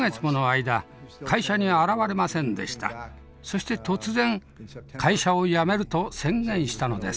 そして突然会社を辞めると宣言したのです。